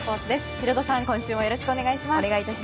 ヒロドさん、今週もよろしくお願いします。